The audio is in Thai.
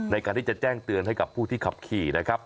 ในการที่จะแจ้งเตือนให้กับผู้ที่ขับขี่นะครับ